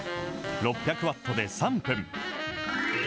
６００ワットで３分。